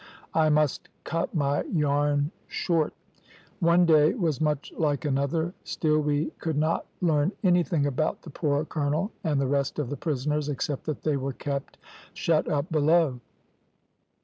I must cut my yarn short. One day was much like another; still we could not learn anything about the poor colonel and the rest of the prisoners, except that they were kept shut up below.